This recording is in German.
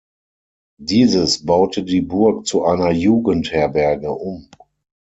Dieses baute die Burg zu einer Jugendherberge um.